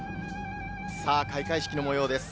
開会式の模様です。